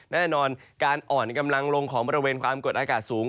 แน่นอนการอ่อนกำลังลงของบริเวณความกดอากาศสูง